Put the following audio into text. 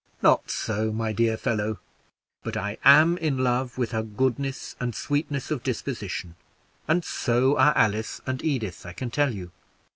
"Not so, my dear brother; but I am in love with her goodness and sweetness of disposition, and so are Alice and Edith, I can tell you.